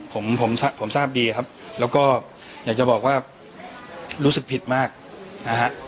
ผมผมทราบดีครับแล้วก็อยากจะบอกว่ารู้สึกผิดมากนะฮะ